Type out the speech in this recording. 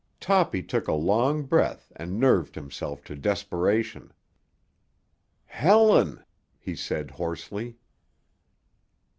Toppy took a long breath and nerved himself to desperation. "Helen!" he said hoarsely.